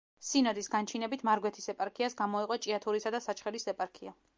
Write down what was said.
სინოდის განჩინებით მარგვეთის ეპარქიას გამოეყო ჭიათურისა და საჩხერის ეპარქია.